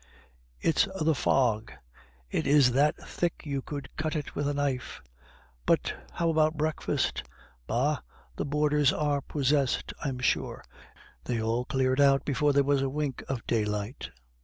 "It's the fog; it is that thick, you could cut it with a knife." "But how about breakfast?" "Bah! the boarders are possessed, I'm sure. They all cleared out before there was a wink of daylight."